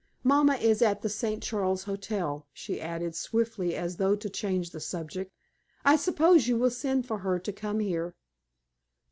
Mamma is at the St. Charles Hotel," she added, swiftly, as though to change the subject. "I suppose you will send for her to come here?"